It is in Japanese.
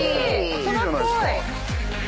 大人っぽい。